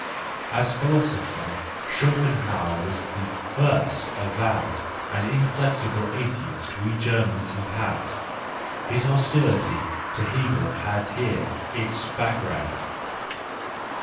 As philosopher, Schopenhauer was the first avowed and inflexible atheist we Germans have had: his hostility to Hegel had here its background.